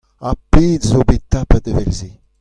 Ha pet 'zo bet tapet evel-se !